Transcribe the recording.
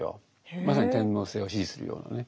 まさに天皇制を支持するようなね。